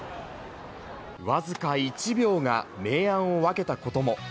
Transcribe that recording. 僅か１秒が明暗を分けたことも。